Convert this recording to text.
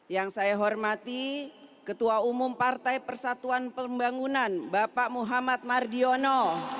yang saya hormati ketua umum partai persatuan pembangunan bapak muhammad mardiono